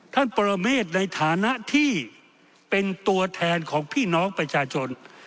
ปรเมฆในฐานะที่เป็นตัวแทนของพี่น้องประชาชน